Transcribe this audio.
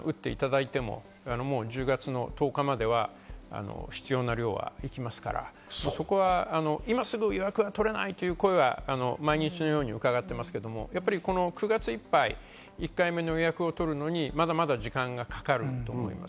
仮に８８％まで皆さん打っていただいても１０月の１０日までは必要な量できますから、今すぐ予約は取れないという声は毎日のように伺ってますけど、９月いっぱい、１回目の予約を取るのにまだ時間がかかると思います。